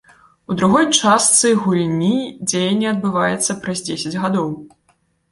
У другой частцы гульні дзеянне адбываецца праз дзесяць гадоў.